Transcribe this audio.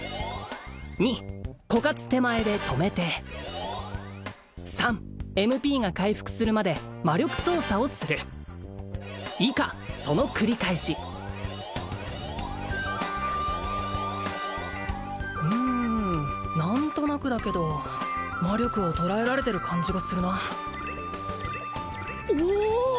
２枯渇手前で止めて３ＭＰが回復するまで魔力操作をする以下その繰り返しうん何となくだけど魔力を捉えられてる感じがするなおおっ